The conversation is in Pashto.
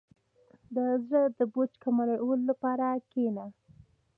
• د زړۀ د بوج کمولو لپاره کښېنه.